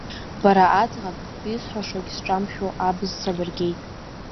Бара аӡӷаб, исҳәашагь сҿамшәо абз сабыргеит!